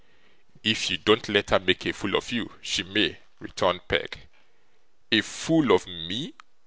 'If you don't let her make a fool of you, she may,' returned Peg. 'A fool of ME!